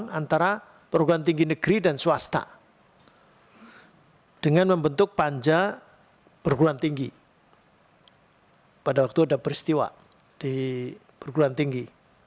pertemuan antara perguruan tinggi negeri dan swasta dengan membentuk panja perguruan tinggi pada waktu ada peristiwa di perguruan tinggi